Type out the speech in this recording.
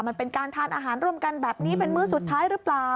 มันเป็นการทานอาหารร่วมกันแบบนี้เป็นมื้อสุดท้ายหรือเปล่า